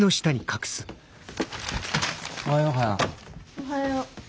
おはよう花。